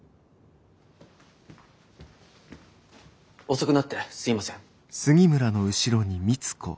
遅くなってすいません。